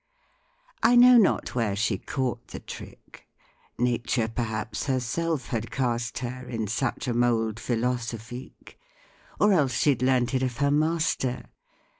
I know not where she caught the trick Nature perhaps herself had cast her In such a mould philosophique, Or else she learn'd it of her master.